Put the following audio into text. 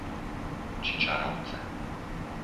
Čičarovce